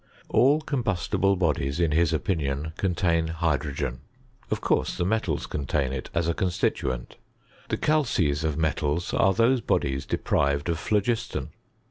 All combustible bodies, in his opinion, contain hydrogen. Of course the metals contain it as a constituent. The calces of metals are those bodies deprived of phlogiston.